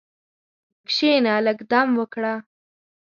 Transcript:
کښېنه، لږ دم وکړه.